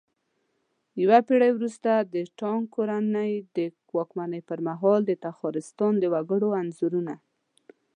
يوه پېړۍ وروسته د تانگ کورنۍ د واکمنۍ پرمهال د تخارستان د وگړو انځورونه